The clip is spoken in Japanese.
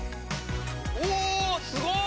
うおすごい！